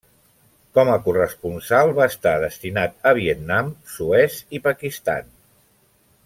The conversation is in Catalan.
Com a corresponsal va estar destinat a Vietnam, Suez i Pakistan.